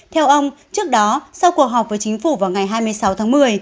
theo ông trước đó sau cuộc họp với chính phủ vào ngày hai mươi sáu tháng một mươi